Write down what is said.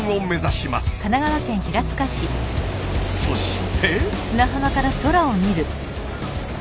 そして。